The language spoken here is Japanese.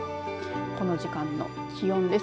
この時間の気温です。